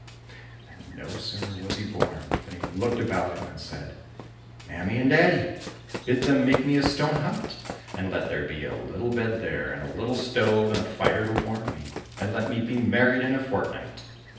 And no sooner was he born than he looked about him, and said, " Mammy and daddy ! Bid them make me a stone hut, and let there be a little bed there, and a little stove and a fire to warm me, and let me be married in a fortnight